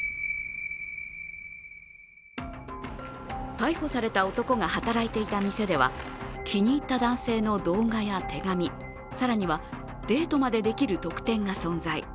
逮捕された男が働いていた店では気に入った男性の動画や手紙、更にはデートまでできる特典が存在。